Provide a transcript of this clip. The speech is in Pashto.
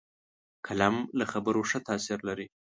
قلم له خبرو ښه تاثیر لري